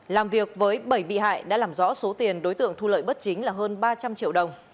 làm việc với bảy bị hại đã làm rõ số tiền đối tượng thu lợi bất chính là hơn ba trăm linh triệu đồng